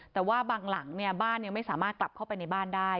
แต่ว่าบางหลังเนี่ยบ้านยังไม่สามารถกลับเข้าไปในบ้านได้